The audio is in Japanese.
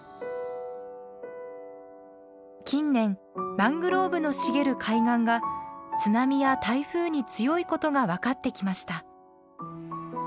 近年マングローブの茂る海岸が津波や台風に強いことが分かってきました。